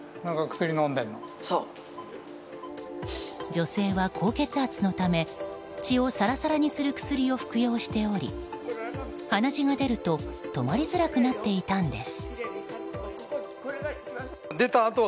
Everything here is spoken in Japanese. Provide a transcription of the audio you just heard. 女性は高血圧のため血をサラサラにする薬を服用しており、鼻血が出ると止まりづらくなっていたんです。